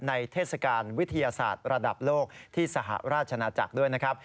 เทศกาลวิทยาศาสตร์ระดับโลกที่สหราชนาจักรด้วยนะครับ